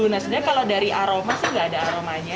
nah sebenarnya kalau dari aroma sih nggak ada aromanya